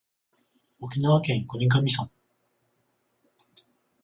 沖縄県国頭村